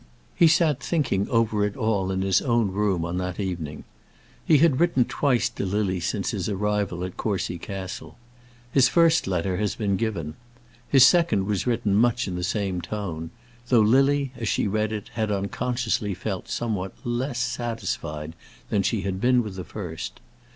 He sat thinking over it all in his own room on that evening. He had written twice to Lily since his arrival at Courcy Castle. His first letter has been given. His second was written much in the same tone; though Lily, as she had read it, had unconsciously felt somewhat less satisfied than she had been with the first.